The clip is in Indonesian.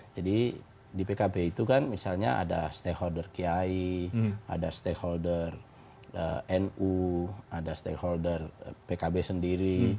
di pkb itu kan misalnya ada stakeholder kiai ada stakeholder nu ada stakeholder pkb sendiri